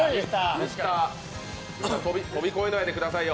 飛び越えないでくださいよ